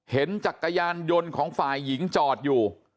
จักรยานยนต์ของฝ่ายหญิงจอดอยู่